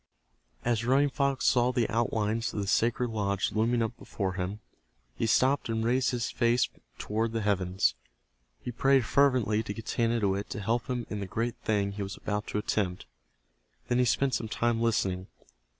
As Running Fox saw the outlines of the sacred lodge looming up before him, he stopped and raised his face toward the heavens. He prayed fervently to Getanittowit to help him in the great thing he was about to attempt. Then he spent some time listening.